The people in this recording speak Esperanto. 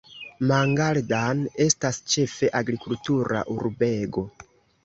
Mangaldan estas ĉefe agrikultura urbego.